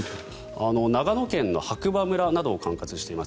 長野県の白馬村などを管轄しています